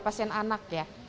ada pasien anak ya